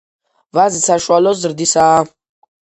ვაზი საშუალო ზრდისაა.